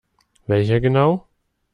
Welcher genau?